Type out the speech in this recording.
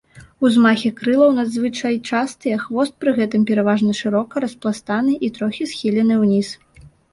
Узмахі крылаў надзвычай частыя, хвост пры гэтым пераважна шырока распластаны і трохі схілены ўніз.